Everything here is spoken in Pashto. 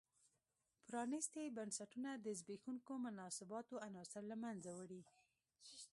پرانیستي بنسټونه د زبېښونکو مناسباتو عناصر له منځه وړي.